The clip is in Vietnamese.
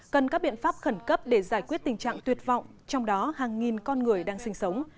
cần các biện pháp khẩn cấp để giải quyết tình trạng tuyệt vọng trong đó hàng nghìn con người đang sinh sống